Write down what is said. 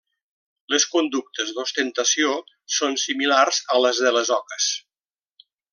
Les conductes d'ostentació són similars a les de les oques.